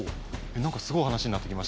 なんかすごい話になってきましたね。